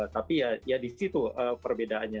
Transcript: tapi ya di situ perbedaannya